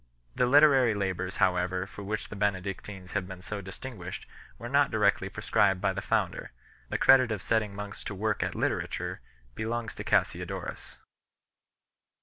The literary labours however for which the Benedictines have been so distin guished were not directly prescribed by the founder; the credit of setting monks to work at literature belongs to Cassiodorus.